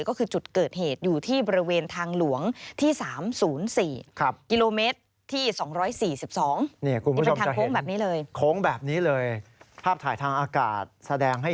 ก็คือจุดเกิดเหตุอยู่ที่บริเวณทางหลวงที่๓๐๔กิโลเมตร